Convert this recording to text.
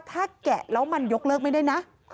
ถ้าแกะแล้วมันยกเลิกไม่ได้นะ